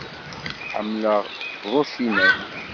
Ḥemmleɣ Brauchinet.